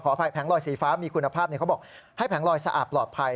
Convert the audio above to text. อภัยแผงลอยสีฟ้ามีคุณภาพเขาบอกให้แผงลอยสะอาดปลอดภัย